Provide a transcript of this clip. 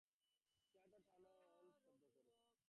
চেয়ারটা টানল শব্দ করে।